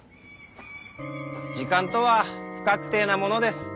時間とは不確定なものです。